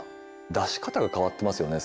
出し方が変わってますよね